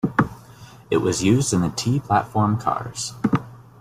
It was used in the T-platform cars.